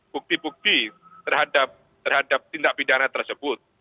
bukti bukti terhadap tindak pidana tersebut